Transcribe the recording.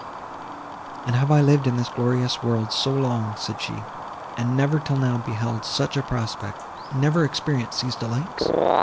"And have I lived in this glorious world so long," said she, "and never till now beheld such a prospect—never experienced these delights!